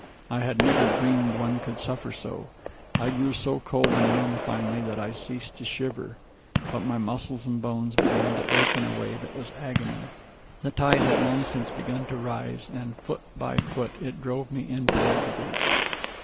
I had never dreamed one could suffer so. I grew so cold and numb, finally, that I ceased to shiver. But my muscles and bones began to ache in a way that was agony. The tide had long since begun to rise and, foot by foot, it drove me in toward the beach.